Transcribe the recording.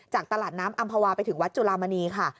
จากตลาดน้ำอำภาวาไปถึงวัดจุลามณีค่ะ